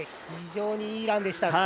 非常にいいランでした。